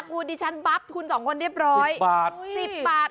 กูดิชันบั๊บคุณ๒คนเรียบร้อย๑๐บาท๑๐บาท